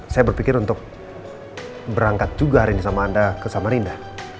saya berpikir untuk berangkat juga hari ini sama anda ke samarinda